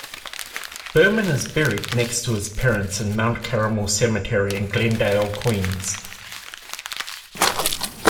Berman is buried next to his parents in Mount Carmel Cemetery in Glendale, Queens.